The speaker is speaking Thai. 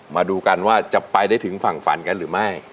มาดูกันว่าจะไปได้ถึงฝั่งฝันกันหรือไม่